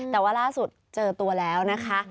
แต่ว่าล่าสุดเจอตัวแล้วนะคะ